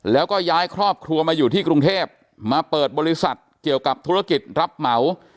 แล้วก็ย้ายครอบครัวมาอยู่ที่กรุงเทพมาเปิดบริษัทเกี่ยวกับธุรกิจรับเหมา